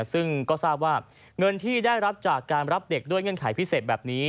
ซึ่งก็ทราบว่าเงินที่ได้รับจากการรับเด็กด้วยเงื่อนไขพิเศษแบบนี้